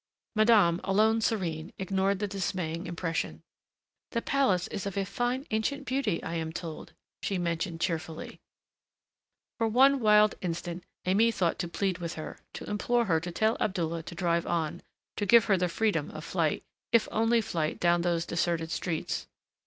Madame, alone serene, ignored the dismaying impression. "The palace is of a fine, ancient beauty, I am told," she mentioned cheerfully. For one wild instant Aimée thought to plead with her, to implore her to tell Abdullah to drive on, to give her the freedom of flight, if only flight down those deserted streets.